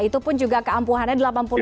itu pun juga keampuhannya